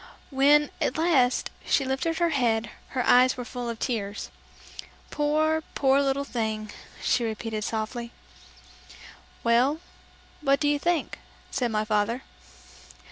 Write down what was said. When, at last, she lifted her head, her eyes were full of tears. "Poor, poor little thing!" she repeated softly. "Well, what do you think?" said my father.